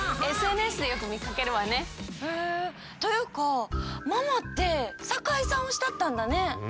ＳＮＳでよくみかけるわね。というかママって酒井さん推しだったんだね！